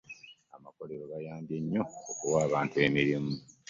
Amakolero gayambye nnyo okuwa abantu emirimu.